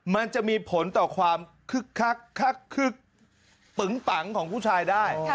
มันจะมีผลต่อความคึกตึงปังของผู้ชายได้